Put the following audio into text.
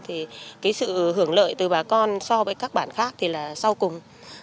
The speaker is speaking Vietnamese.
thì cái sự hưởng lợi từ bà con so với các bản khác thì là sau cùng